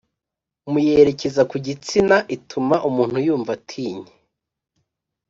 Mu yerekeza ku gitsina ituma umuntu yumva atinye